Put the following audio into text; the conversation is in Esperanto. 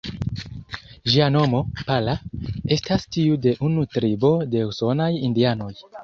Ĝia nomo ""Pala"", estas tiu de unu tribo de usonaj indianoj.